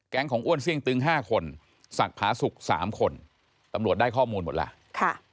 แก๊งของอ้วนเซ่งตึง๕คนศักดิ์พ้าศุกร์๓คนตำรวจได้ข้อมูลหมดแล้ว